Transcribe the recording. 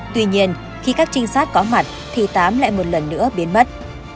tuy nhiên khi các trinh sát có mặt thì tám lại một lần nữa biến mất